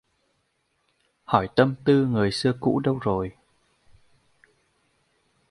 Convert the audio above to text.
Hỏi tâm tư người xưa cũ đâu rồi?